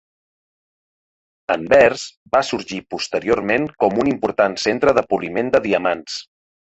Anvers va sorgir posteriorment com un important centre de poliment de diamants.